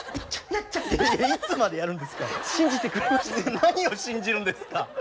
何を信じるんですか。